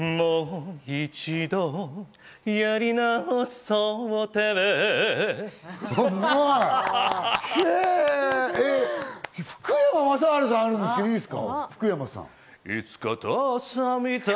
もう一度、やり直そうと思っ福山雅治さんあるんですけど、いいですか？